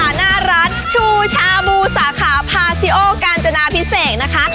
หน้าร้านชูชาบูสาขาพาซิโอกาญจนาพิเศษนะคะ